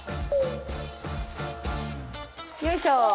よいしょ！